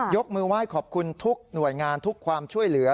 ยกมือไหว้ขอบคุณทุกหน่วยงานทุกความช่วยเหลือ